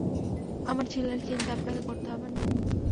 আমার ছেলের চিন্তা আপনাকে করতে হবে না।